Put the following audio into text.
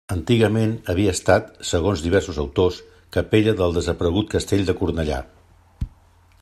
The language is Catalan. Antigament havia estat, segons diversos autors, capella del desaparegut castell de Cornellà.